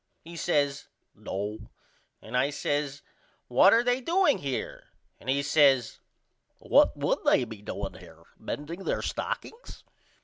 He says No and I says What are they doing here? And he says What would they be doing here mending their stockings?